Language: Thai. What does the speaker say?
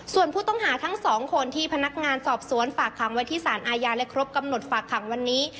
ส่วนผู้ต้องหาทั้งสองคนที่พนักงานสอบสวนฝากขังไว้ที่สารอาญาและครบกำหนดฝากขังวันนี้